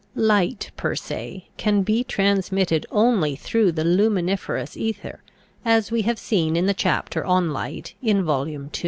Light, per se, can be transmitted only through the luminiferous ether, as we have seen in the chapter on light in Volume II.